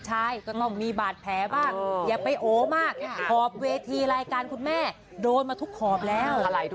จริงไหมครับร้องได้ร้องได้ร้องได้